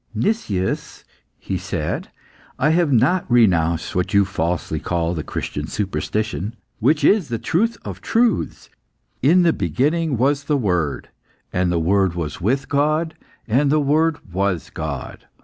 "Nicias," he said, "I have not renounced what you falsely call the Christian superstition, which is the truth of truths. 'In the beginning was the Word, and the Word was with God, and the Word was God.